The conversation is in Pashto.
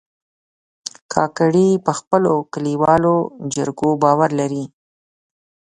کاکړي په خپلو کلیوالو جرګو باور لري.